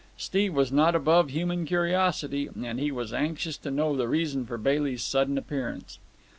Steve was not above human curiosity, and he was anxious to know the reason for Bailey's sudden appearance.